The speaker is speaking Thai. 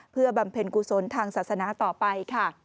เพื่อบำเพ็ญกุศลทางศาสนาต่อไปค่ะ